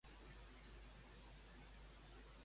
Quin objectiu tenen, ara mateix, els demòcrates?